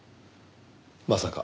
まさか。